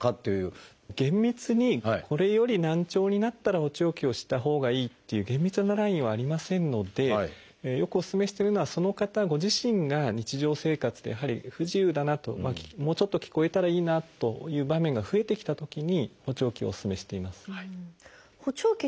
厳密にこれより難聴になったら補聴器をしたほうがいいっていう厳密なラインはありませんのでよくおすすめしてるのはその方ご自身が日常生活でやはり不自由だなともうちょっと聞こえたらいいなという場面が増えてきたときに補聴器をおすすめしています。